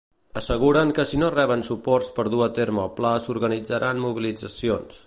Asseguren que si no reben suports per dur a terme el pla s'organitzaran mobilitzacions.